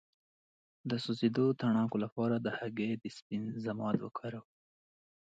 د سوځیدو د تڼاکو لپاره د هګۍ د سپین ضماد وکاروئ